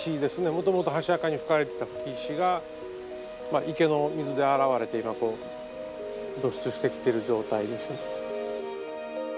もともと箸墓に葺かれてた葺き石が池の水で洗われて今こう露出してきてる状態ですね。